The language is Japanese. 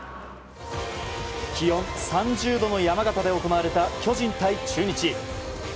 気温３０度の山形で行われた巨人対中日。